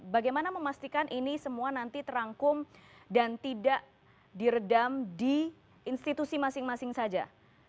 bagaimana memastikan ini semua nanti terangkum dan tidak diredam di institusi masing masing saja